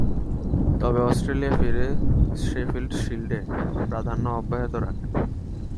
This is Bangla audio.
তবে, অস্ট্রেলিয়ায় ফিরে শেফিল্ড শিল্ডে প্রাধান্য অব্যাহত রাখেন।